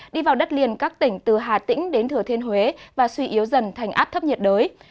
đi vào đất liền các tỉnh từ hà tĩnh đến thừa thiên huế và suy yếu dần thành áp thấp nhiệt đới